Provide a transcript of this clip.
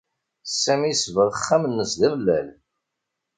Sami yesbeɣ axxam-nnes d amellal.